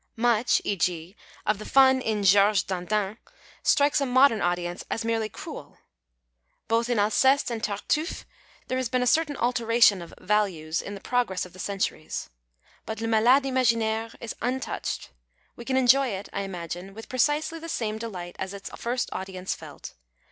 Much, e.g., of th<^ fim in George Datulin strikes a modern audience as uk rely cruel. Bntli in Alccsic and Tarhiffc there lias been 181 PASTICHE AND PREJUDICE a certain alteration of " values " in the progress of the centuries. But Le Malade Imaginaire is un touched. We can enjoy it, I imagine, with precisely the same delight as its first audience felt.